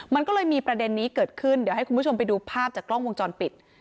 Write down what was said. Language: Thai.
มันก็เลยมีประเด็นนี้เกิดขึ้นเดี๋ยวให้คุณผู้ชมไปดูภาพจากกล้องวงจรปิด